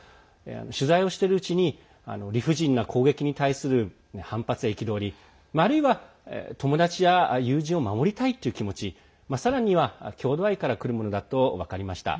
取材をしてるうちに理不尽な攻撃に対する反発や憤りあるいは、友達や友人を守りたいという気持ちさらには、郷土愛からくるものだと分かりました。